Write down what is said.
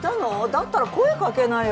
だったら声かけなよ。